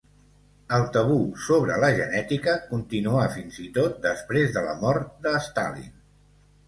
El tabú sobre la genètica continuà fins i tot després de la mort de Stalin.